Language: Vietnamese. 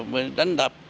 bị đánh đập